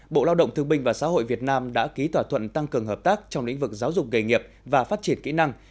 bộ lao động thương binh và xã hội việt nam đã ký thỏa thuận tăng cường hợp tác trong lĩnh vực giáo dục nghề nghiệp và phát triển kỹ năng